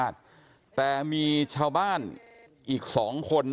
แต่มีชาวบ้านอีก๒คน